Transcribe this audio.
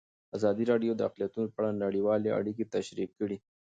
ازادي راډیو د اقلیتونه په اړه نړیوالې اړیکې تشریح کړي.